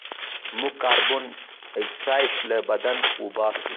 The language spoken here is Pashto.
موږ کاربن ډای اکسایډ له بدن وباسو